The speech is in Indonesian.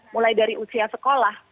mulai dari usia sekolah